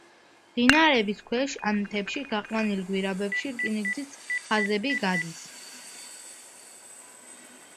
მდინარეების ქვეშ ან მთებში გაყვანილ გვირაბებში რკინიგზის ხაზები გადის.